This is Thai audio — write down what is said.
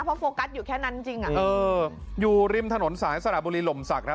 เพราะโฟกัสอยู่แค่นั้นจริงอ่ะเอออยู่ริมถนนสายสระบุรีหล่มศักดิ์